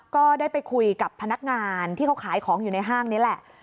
ก็ได้ไปคุยกับพนักงานที่เขาขายของอยู่ในห้างนี้แหละ